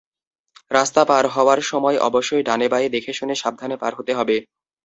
রাস্তা পার হওয়ার সময় অবশ্যই ডানে-বাঁয়ে দেখেশুনে সাবধানে পার হতে হবে।